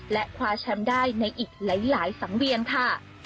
และคว้าแชมป์ได้ในอีกหลายสังเวียนค่ะ